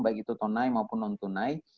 baik itu tunai maupun non tunai